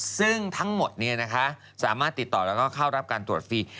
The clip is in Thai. ซึ่งทั้งหมดสามารถติดต่อแล้วก็เข้ารับการตรวจฟรี